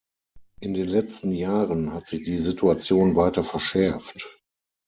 In den letzten Jahren hat sich die Situation weiter verschärft.